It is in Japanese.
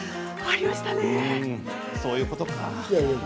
そういうことか。